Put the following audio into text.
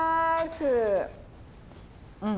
うん。